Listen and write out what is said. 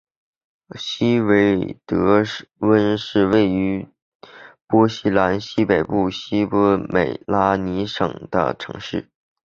希维德温是位于波兰西北部西波美拉尼亚省的城市。